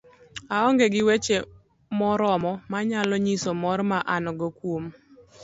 aong'e gi weche moromo manyalo nyiso mor ma an go kuom